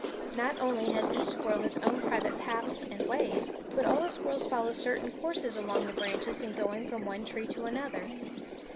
Not only has each squirrel his own private paths and ways, but all the squirrels follow certain courses along the branches in going from one tree to another.